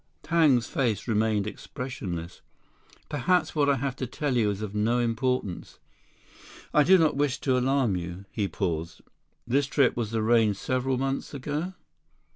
Tang's face remained expressionless. "Perhaps what I have to tell you is of no importance. I do not wish to alarm you." He paused. "This trip was arranged several months ago?"